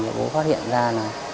và bố phát hiện ra là